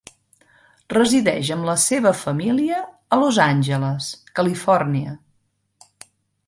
Resideix amb la seva família a Los Angeles, Califòrnia.